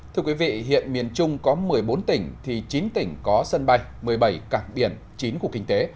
thưa quý vị hiện miền trung có một mươi bốn tỉnh thì chín tỉnh có sân bay một mươi bảy cảng biển chín cục kinh tế